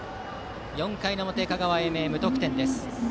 ４回の表、香川・英明は無得点です。